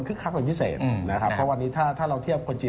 คือเทศการจุจจีน